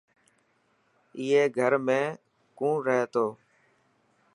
ائي گھر ۾ ڪون رهي ٿو.